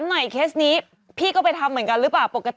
เหมือนเงินเนาะ